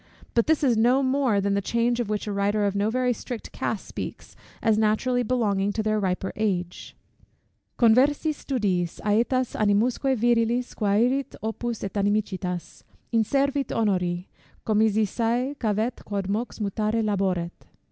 But this is no more than the change of which a writer of no very strict cast speaks, as naturally belonging to their riper age: Conversis studiis, ætas animusque virilis Quærit opus, & amicitias: inservit honori: Commisisse cavet, quod mox mutare laboret.